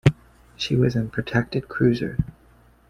She was an protected cruiser.